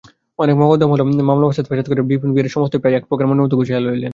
অনেক মকদ্দমা মামলা হাঙ্গামা ফেসাদ করিয়া বিপিনবিহারী সমস্তই প্রায় একপ্রকার মনের মতো গুছাইয়া লইলেন।